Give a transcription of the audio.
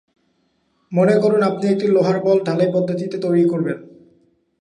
মনে করুন আপনি একটি লোহার বল ঢালাই পদ্ধতিতে তৈরি করবেন।